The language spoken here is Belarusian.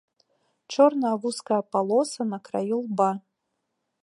Чорная вузкая палоса на краю лба.